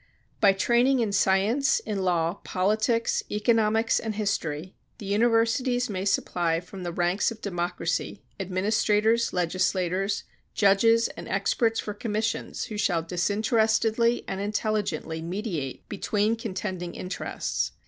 By training in science, in law, politics, economics and history the universities may supply from the ranks of democracy administrators, legislators, judges and experts for commissions who shall disinterestedly and intelligently mediate between contending interests.